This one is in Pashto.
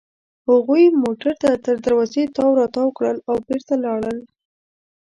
هغوی موټر تر دروازې تاو راتاو کړل او بېرته لاړل.